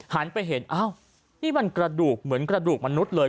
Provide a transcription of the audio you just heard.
หันไปเห็นอ้าวนี่มันกระดูกเหมือนกระดูกมนุษย์เลย